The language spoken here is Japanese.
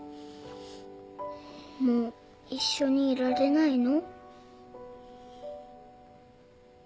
もう一緒にいられないの？